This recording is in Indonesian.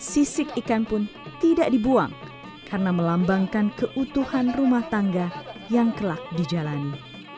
sisik ikan pun tidak dibuang karena melambangkan keutuhan rumah tangga yang kelak dijalani